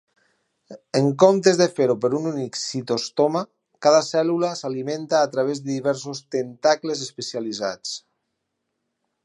En comptes de fer-ho per un únic citostoma, cada cèl·lula s'alimenta a través de diversos tentacles especialitzats.